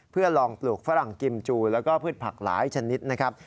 เพื่อลองปลูกฝรั่งกิมจูแล้วก็พืชผักหลายชนิดนะครับ